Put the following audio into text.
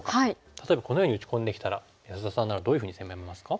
例えばこのように打ち込んできたら安田さんならどういうふうに攻めますか？